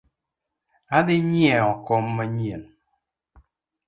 Adhii nyieo kom manyien